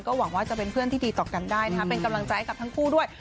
หวังว่าจะเป็นเพื่อนที่ดีต่อกันได้นะคะเป็นกำลังใจกับทั้งคู่ด้วย